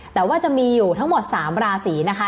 แต่ว่าจะมีอยู่ทั้งหมด๓ราศีนะคะ